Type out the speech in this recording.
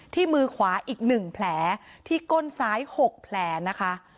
มือขวาอีก๑แผลที่ก้นซ้าย๖แผลนะคะ